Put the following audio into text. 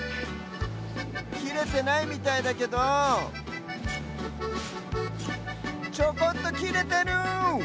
きれてないみたいだけどちょこっときれてる！